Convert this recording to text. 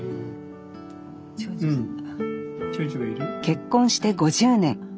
結婚して５０年。